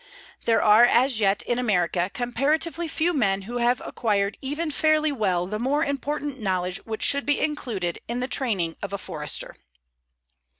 There are as yet in America comparatively few men who have acquired even fairly well the more important knowledge which should be included in the training of a Forester.